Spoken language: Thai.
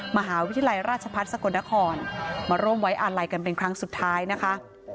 มหาวิทยาลัยราชพัฒน์สกลนครมาร่วมไว้อาลัยกันเป็นครั้งสุดท้ายนะคะ